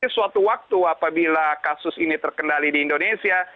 suatu waktu apabila kasus ini terkendali di indonesia